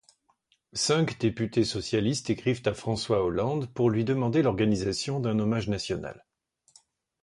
Cinq députés socialistes écrivent à François Hollande pour lui demander l’organisation d’un hommage national.